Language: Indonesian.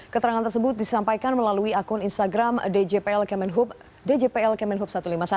keterangan tersebut disampaikan melalui akun instagram djpl kemenhub satu ratus lima puluh satu